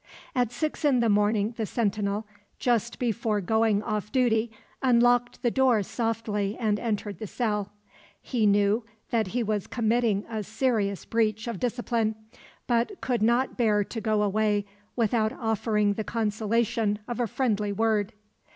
At six in the morning the sentinel, just before going off duty, unlocked the door softly and entered the cell. He knew that he was committing a serious breach of discipline, but could not bear to go away without offering the consolation of a friendly word.